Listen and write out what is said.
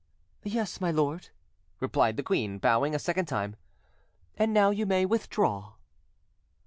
"Yes, my lord," replied the queen, bowing a second time, "and now you may withdraw."